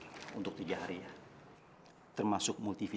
yang ini udah terlvania sendiri